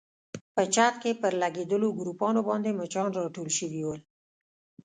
په چت کې پر لګېدلو ګروپانو باندې مچان راټول شوي ول.